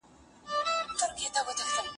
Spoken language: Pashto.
نوروز ته سرود